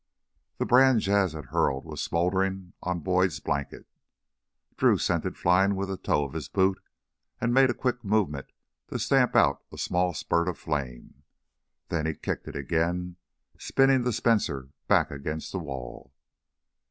The brand Jas' had hurled was smoldering on Boyd's blankets. Drew sent it flying with the toe of his boot and made a quick movement to stamp out a small spurt of flame. Then he kicked it again, spinning the Spencer back against the wall.